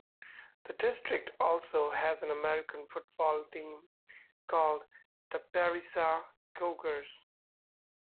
The district also has an American football team called the Berryessa Cougars.